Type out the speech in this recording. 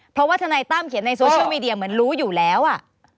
เพราะว่าทนายตั้มเขียนในโซเชียลมีเดียเหมือนรู้อยู่แล้วอ่ะ